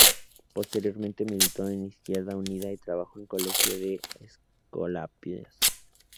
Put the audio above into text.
Posteriormente militó en Izquierda Unida y trabajó en un colegio de Escolapios.